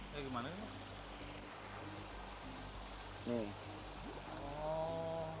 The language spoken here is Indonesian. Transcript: ya gimana ini mbah